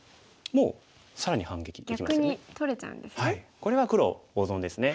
これは黒大損ですね。